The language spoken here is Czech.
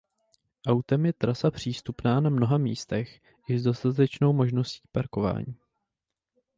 Autem je trasa přístupná na mnoha místech i s dostatečnou možností parkování.